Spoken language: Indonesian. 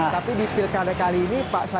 tapi di pilkada kali ini